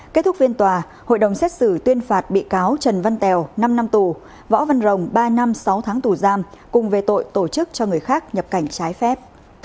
kết thúc phiên tòa hội đồng xét xử tuyên phạt bị cáo trần văn tèo năm năm tù võ văn rồng ba năm sáu tháng tù giam cùng về tội tổ chức cho người khác nhập cảnh trái phép